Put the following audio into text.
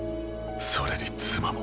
それに妻も。